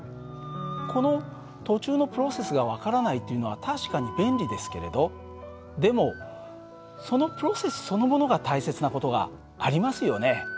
この途中のプロセスが分からないっていうのは確かに便利ですけれどでもそのプロセスそのものが大切な事がありますよね。